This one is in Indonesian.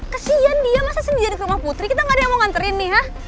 kesian dia masa sendiri jadi rumah putri kita gak ada yang mau nganterin nih ya